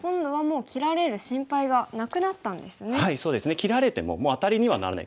切られてももうアタリにはならない。